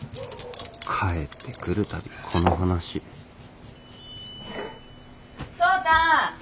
帰ってくる度この話蒼太航